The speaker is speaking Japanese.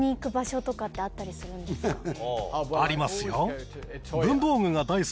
ありますよ。